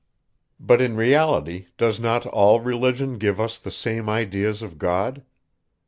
But, in reality, does not all religion give us the same ideas of God?